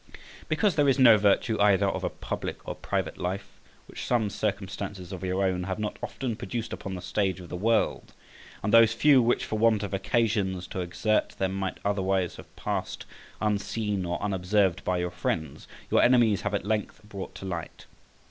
Because there is no virtue either of a public or private life which some circumstances of your own have not often produced upon the stage of the world; and those few which for want of occasions to exert them might otherwise have passed unseen or unobserved by your friends, your enemies have at length brought to light.